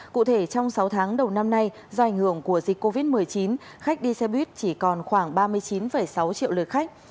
cụ thể trong sáu tháng đầu năm nay do ảnh hưởng của dịch covid một mươi chín khách đi xe buýt chỉ còn khoảng ba mươi chín sáu triệu lượt khách